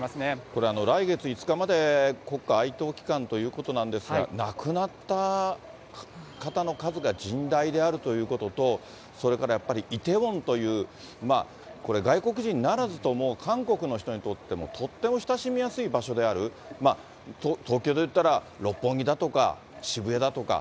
これ、来月５日まで、国家哀悼期間ということなんですが、亡くなった方の数が甚大であるということと、それからやっぱり梨泰院という、外国人ならずとも、韓国の人にとってもとっても親しみやすい場所である、東京でいったら六本木だとか、渋谷だとか、